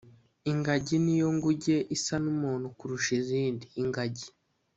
Ingagi ni yo nguge isa n’umuntu kurusha izindi. Ingagi